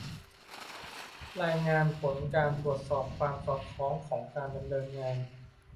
รายงานผลการตรวจสอบความสอดคล้องของการดำเนินงาน